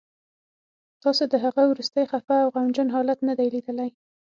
تاسو د هغه وروستی خفه او غمجن حالت نه دی لیدلی